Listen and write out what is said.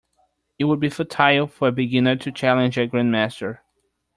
It would be futile for a beginner to challenge a grandmaster.